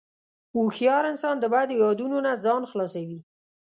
هوښیار انسان د بدو یادونو نه ځان خلاصوي.